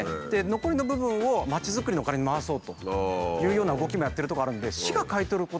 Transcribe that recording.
残りの部分をまちづくりのお金に回そうというような動きもやってるとこあるんでなるほど。